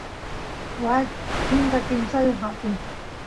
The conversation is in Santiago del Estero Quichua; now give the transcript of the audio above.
waa chunka kimsayoq apin